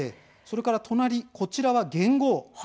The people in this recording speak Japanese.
隣、こちらは元号です。